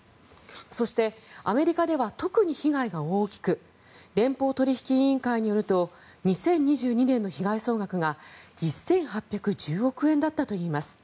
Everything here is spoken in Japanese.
そして、アメリカでは特に被害が大きく連邦取引委員会によりますと２０２２年の被害総額が１８１０億円だったといいます。